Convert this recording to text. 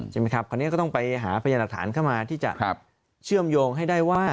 คราวนี้ก็ต้องไปหาพยานหลักฐานเข้ามาที่จะเชื่อมโยงให้ได้ว่า